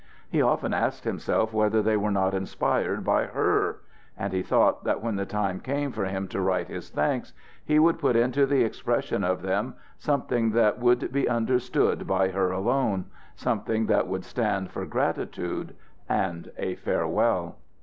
He often asked himself whether they were not inspired by her; and he thought that when the time came for him to write his thanks, he would put into the expression of them something that would be understood by her alone something that would stand for gratitude and a farewell.